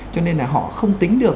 cho nên là họ không tính được